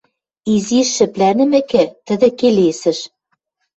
Изиш шӹплӓнӹмӹкӹ, тӹдӹ келесӹш: